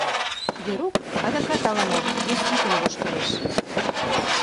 Верук адакат ала-мо вес йӱкын воштылеш.